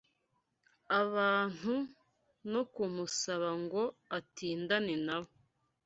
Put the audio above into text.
abantu no kumusaba ngo atindane na bo